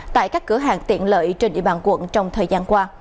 tại các cửa hàng tiện lợi trên địa bàn quận trong thời gian qua